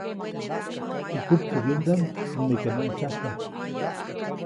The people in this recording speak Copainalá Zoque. Teʼ kupkubyändaʼm nimeke naʼtsyajpa.